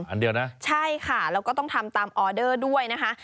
อันเดียวนะใช่ค่ะแล้วก็ต้องทำตามออเดอร์ด้วยนะคะ